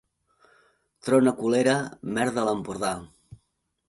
Trona culera, merda a l'Empordà.